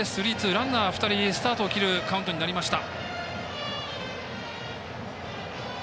ランナー、２人スタートを切るカウントになりました。